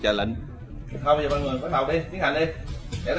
thôi bây giờ mọi người bắt đầu đi tiến hành đi